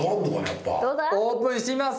オープンしてみます。